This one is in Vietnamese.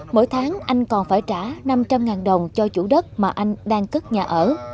mỗi tháng anh còn phải trả năm trăm linh đồng cho chủ đất mà anh đang cất nhà ở